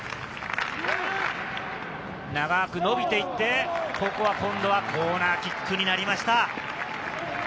長くのびていって、ここは今度はコーナーキックになりました。